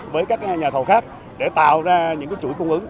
với các nhà thầu khác để tạo ra những chuỗi cung ứng